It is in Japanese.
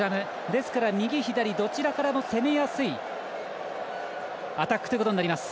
ですから、右左どちらからも攻めやすいアタックとなります。